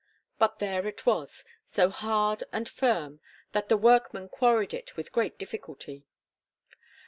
But there it was, so hard and firm that the workmen quarried it with great difficulty.